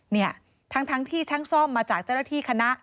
เนี่ยทั้งที่ช่างซ่อมมาจากเจ้าหน้าที่คณะ